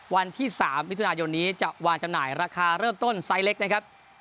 วันที่๓มิถุนายนนี้จะวางจำหน่ายราคาเริ่มต้นไซส์เล็กนะครับ